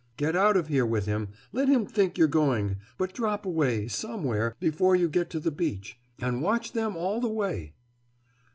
Get out of here with him. Let him think you're going. But drop away, somewhere, before you get to the beach. And watch them all the way."